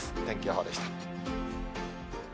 天気予報でした。